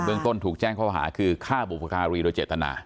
เบื้องต้นถูกแจ้งเข้าหาคือค่าบุภาคารีโดยเจตนา